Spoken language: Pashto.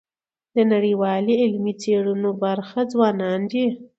د نړیوالو علمي څيړنو برخه ځوانان دي.